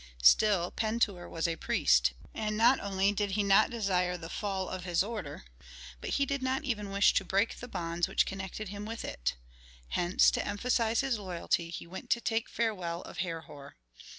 Still, Pentuer was a priest, and not only did he not desire the fall of his order, but he did not even wish to break the bonds which connected him with it. Hence to emphasize his loyalty he went to take farewell of Herhor.